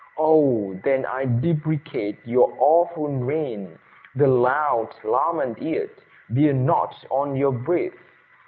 Oh! then I deprecate your awful reign! The loud lament yet bear not on your breath!